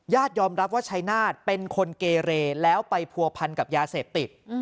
ยอมรับว่าชายนาฏเป็นคนเกเรแล้วไปผัวพันกับยาเสพติด